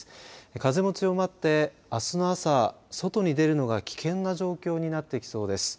風も強まってあすの朝外に出るのが危険な状況になってきそうです。